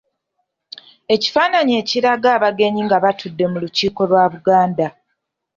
Ekifaananyi ekiraga abagenyi nga batudde mu Lukiiko lwa Buganda.